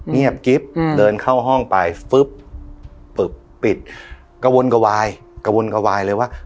เงียบกิ๊บเดินเข้าห้องไปฟึ๊บปึบปิดกระวนกระวายกระวนกระวายเลยว่า